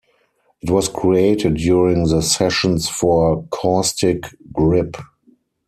It was created during the sessions for "Caustic Grip".